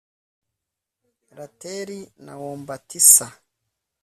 Ratel na wombatisa